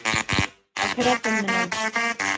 Әхирәтем менән.